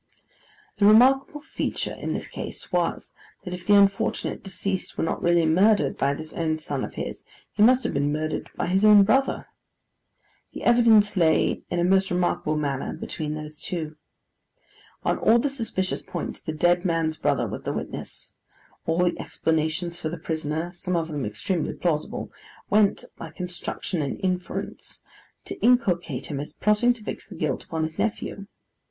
The remarkable feature in the case was, that if the unfortunate deceased were not really murdered by this own son of his, he must have been murdered by his own brother. The evidence lay in a most remarkable manner, between those two. On all the suspicious points, the dead man's brother was the witness: all the explanations for the prisoner (some of them extremely plausible) went, by construction and inference, to inculcate him as plotting to fix the guilt upon his nephew.